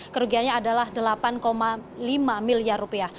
kerugiannya adalah delapan lima miliar rupiah